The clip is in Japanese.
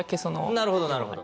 なるほどなるほど。